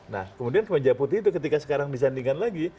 nah kemudian kemeja putih itu ketika sekarang disandingkan lagi